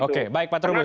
oke baik pak terubus